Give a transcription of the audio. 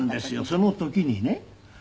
その時にね。